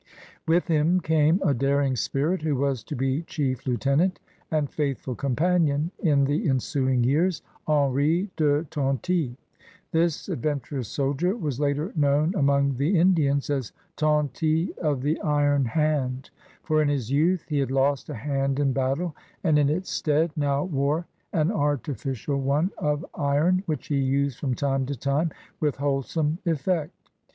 With him came a daring spirit who was to be chief lieutenant and faithful companion in the ensuing years, Henri de Tonty. This adventurous soldier was later known among the Lidians as "Tonty of the L*on Hand,'' for in his youth he had lost a hand in battle, and in its stead now wore an artificial one of iron, which he used from time to time with wholesome effect.